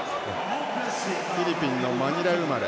フィリピンのマニラ生まれ。